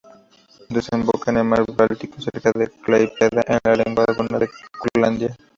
Desemboca en el mar Báltico cerca de Klaipėda, en la Laguna de Curlandia.